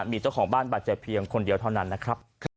มีเจ้าของบ้านบาดเจ็บเพียงคนเดียวเท่านั้นนะครับ